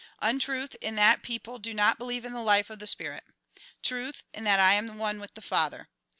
Untruth, in that people do not believe in the life of the spirit. Truth, in that I am one with the Father.